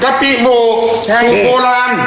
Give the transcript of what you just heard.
กะปิโวสูตรโบราณ